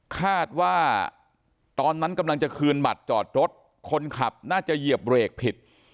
คาดว่าตอนนั้นกำลังจะคืนบัตรจอดรถคนขับน่าจะเหยียบเบรกผิด